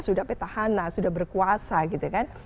sudah petahana sudah berkuasa gitu kan